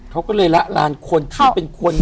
เขาก็เลยละลานคนที่เป็นคน